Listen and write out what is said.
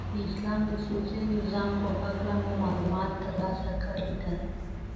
د اسلام د سیاسی نظام په هکله مو معلومات ترلاسه کړی دی.